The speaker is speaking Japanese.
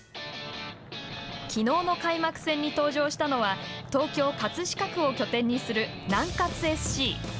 きのうの開幕戦に登場したのは東京葛飾区を拠点にする南葛ＳＣ。